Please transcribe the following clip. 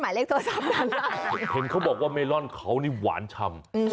เห็นฉันเขาบอกว่าเมล่อนเขานี่หวานชำ